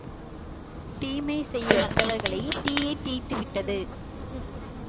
தீமை செய்ய வந்தவர் களைத் தீயே தீய்த்து விட்டது.